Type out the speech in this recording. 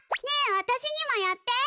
ねえわたしにもやって！